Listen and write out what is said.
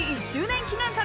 １周年の。